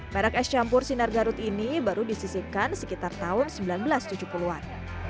merek es campur sinar garut ini baru disisipkan sekitar tahun seribu sembilan ratus tujuh puluh an